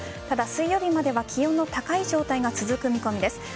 ただ、水曜日までは気温の高い状況が続く見込みです。